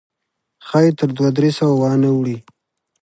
ښایي تر دوه درې سوه وانه وړي.